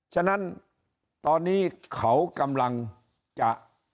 ฉะนั้นตอนนี้เขากำลังจะ